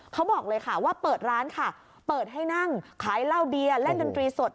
เขาบอกเลยค่ะว่าเปิดร้านค่ะเปิดให้นั่งขายเหล้าเบียร์เล่นดนตรีสด